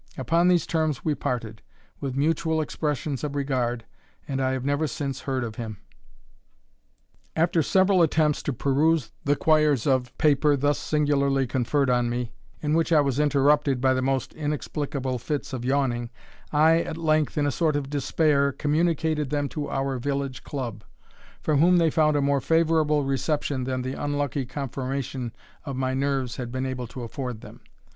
Upon these terms we parted, with mutual expressions of regard, and I have never since heard of him. After several attempts to peruse the quires of paper thus singularly conferred on me, in which I was interrupted by the most inexplicable fits of yawning, I at length, in a sort of despair, communicated them to our village club, from whom they found a more favourable reception than the unlucky conformation of my nerves had been able to afford them.